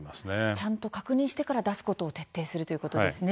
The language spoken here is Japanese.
ちゃんと確認してから出すことを徹底するということですね。